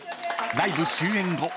［ライブ終演後